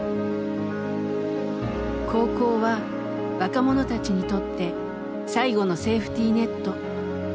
「高校は若者たちにとって最後のセーフティネット」。